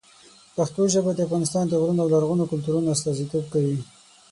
پښتو ژبه د افغانستان د غرونو او لرغونو کلتورونو استازیتوب کوي.